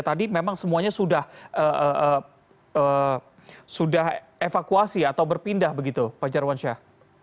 tadi memang semuanya sudah evakuasi atau berpindah begitu pak jarwansyah